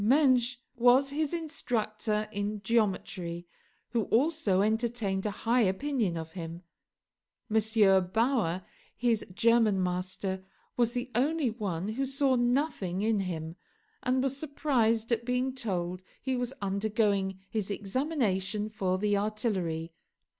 Menge was his instructor in geometry, who also entertained a high opinion of him. M. Bauer, his German master, was the only one who saw nothing in him, and was surprised at being told he was undergoing his examination for the artillery.